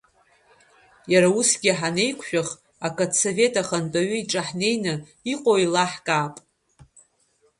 Иара усгьы ҳанеиқәшәах, ақыҭсовет ахатәаҩы иҿы ҳнеины, иҟоу еилаҳкаап.